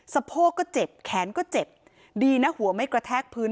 สะโพกก็เจ็บแขนก็เจ็บดีนะหัวไม่กระแทกพื้น